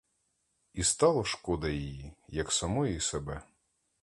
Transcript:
І стало шкода її, як самої себе.